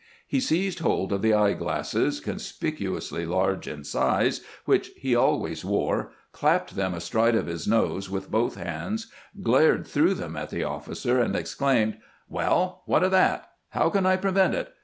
He seized hold of the eye glasses, con spicuously large in size, which he always wore, clapped them astride of his nose with both hands, glared through them at the officer, and exclaimed :" Well, what of that I How can I prevent it